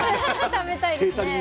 食べたいですね。